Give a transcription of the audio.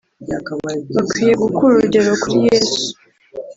bakwiye gukura urugero kuri Yesu